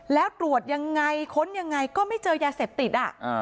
แล้วตรวจยังไงค้นยังไงก็ไม่เจอยาเสพติด